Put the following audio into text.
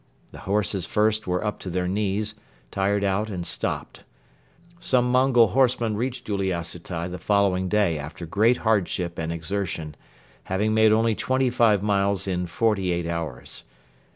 The horses first were up to their knees, tired out and stopped. Some Mongol horsemen reached Uliassutai the following day after great hardship and exertion, having made only twenty five miles in forty eight hours.